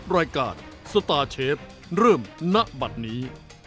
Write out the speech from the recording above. รายการสตาร์เชฟเริ่มณบัตรนี้